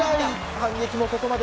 反撃もここまで。